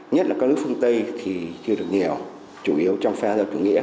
nhất là các nước phương tây thì chưa được hiểu